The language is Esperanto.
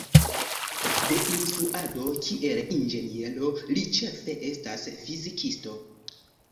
De instruado kiel inĝeniero, li ĉefe estas fizikisto.